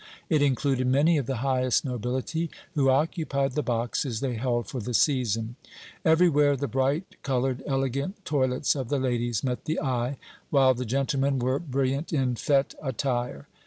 It included many of the highest nobility, who occupied the boxes they held for the season. Everywhere the bright colored, elegant toilets of the ladies met the eye, while the gentlemen were brilliant in fête attire.